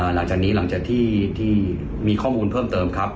หลังจากนี้หลังจากที่มีข้อมูลเพิ่มเติมครับ